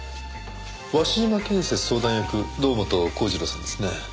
鷲島建設相談役堂本幸次郎さんですね？